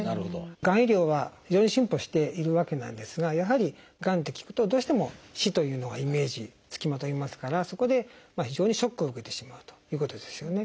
がん医療は非常に進歩しているわけなんですがやはりがんって聞くとどうしても死というのがイメージつきまといますからそこで非常にショックを受けてしまうということですよね。